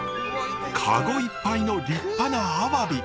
カゴいっぱいの立派なアワビ。